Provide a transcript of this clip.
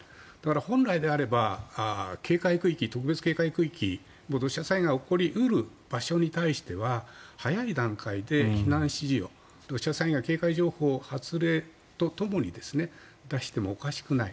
本来であれば特別警戒区域土砂災害が起こり得る場所に対しては早い段階で避難指示を土砂災害警戒情報を発令とともに出してもおかしくない。